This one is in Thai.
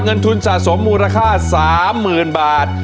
เงินทุนสะสมมูลค่า๓๐๐๐บาท